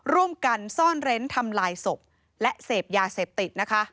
ร่วมกันซ่อนเร้นทำลายศพและเสพยาเสพติดนะคะ